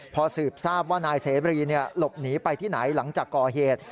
พอสืบทราบว่านายเสบรีหลบหนีไปที่ไหนหลังจากก่อเหตุ